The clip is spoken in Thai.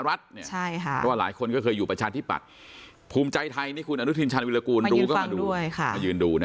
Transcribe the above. ได้ลาออกจากสมาชิกสภาพุทธแห่งท่าสดองตั้งแต่วันนี้เป็นต้นไทยครับ